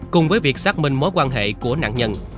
cùng với việc xác minh mối quan hệ của nạn nhân